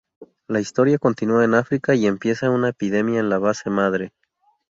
La historia continúa en África y empieza una epidemia en la base madre.